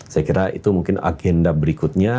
saya kira itu mungkin agenda berikutnya